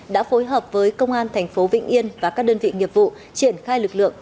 đã phối hợp với công an thành phố vĩnh yên và các đơn vị nghiệp vụ triển khai lực lượng